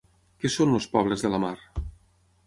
Què són els pobles de la mar?